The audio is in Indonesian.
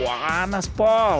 wah panas pol